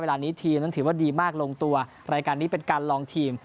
นี้ทีมนั้นถือว่าดีมากลงตัวรายการนี้เป็นการลองทีม